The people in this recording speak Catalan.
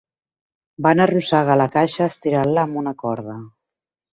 Van arrossegar la caixa estirant-la amb una corda.